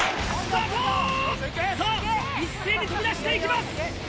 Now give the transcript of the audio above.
さあ、一斉に飛び出していきます。